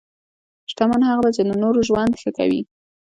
شتمن هغه دی چې د نورو ژوند ښه کوي.